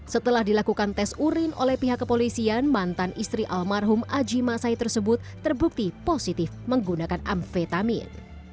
setelah dilakukan tes urin oleh pihak kepolisian mantan istri almarhum aji masai tersebut terbukti positif menggunakan amfetamin